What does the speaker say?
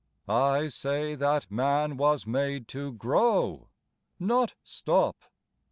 " I say that man was made to grow, not stop.